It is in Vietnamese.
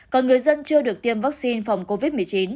còn người dân chưa được tiêm vaccine phòng covid một mươi chín